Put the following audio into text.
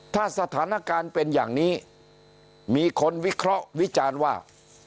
ถ้าสถานการณ์เป็นอย่างนี้มีคนวิเคราะห์วิจารณ์ว่า